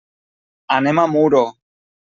Anem a Muro.